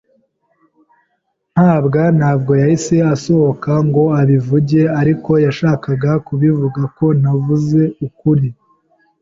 mabwa ntabwo yahise asohoka ngo abivuge, ariko yashakaga kuvuga ko ntavuze ukuri.